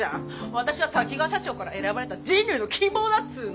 私は滝川社長から選ばれた人類の希望だっつの！